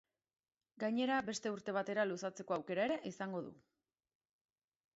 Gainera, beste urte batera luzatzeko aukera ere izango du.